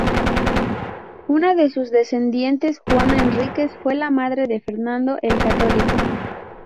Una de sus descendientes, Juana Enríquez, fue la madre de Fernando "el Católico".